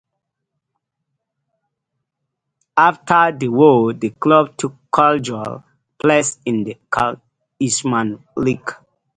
After the war the club took Casuals' place in the Isthmian League.